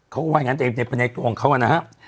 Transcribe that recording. เขาก็ว่าอย่างนั้นอย่างเน็ตไปไนต์โตงเขาน่ะฮะ